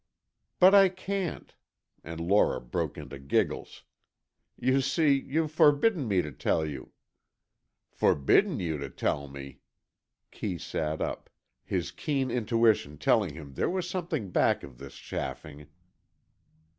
"But I can't," and Lora broke into giggles. "You see, you've forbidden me to tell you——" "Forbidden you to tell me!" Kee sat up, his keen intuition telling him there was something back of this chaffing.